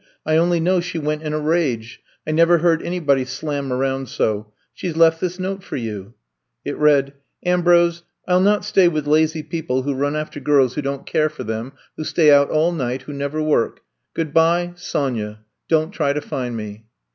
I only know she went iq a rage. I never heard anybody slam around so. She left this note for you. '' It read: Ambrose, I '11 not stay with lazy people who run after girls who don't 118 I'VE COME TO STAY 119 care for them, who stay out all night, who never work. Good by, Sonya. Don't try to find me.''